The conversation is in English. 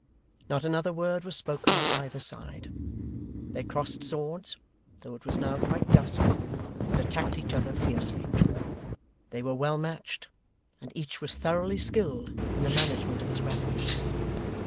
Not another word was spoken on either side. They crossed swords, though it was now quite dusk, and attacked each other fiercely. They were well matched, and each was thoroughly skilled in the management of his weapon.